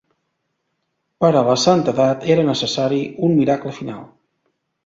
Per a la santedat era necessari un miracle final.